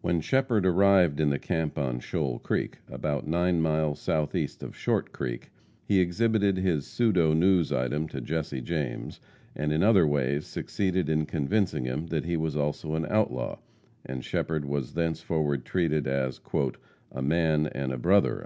When Shepherd arrived in the camp on Shoal Creek, about nine miles southeast of Short Creek, he exhibited his pseudo news item to Jesse James, and in other ways succeeded in convincing him that he was also an outlaw, and Shepherd was thenceforward treated as "a man and a brother."